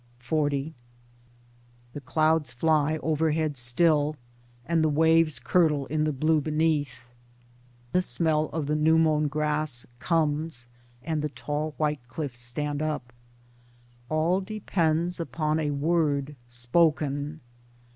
XL The clouds fly overhead still, and the waves curdle in the blue beneath; the smell of the newmown grass comes, and the tall white cliffs stand up. Towards Democracy 59 All depends upon a Word spoken.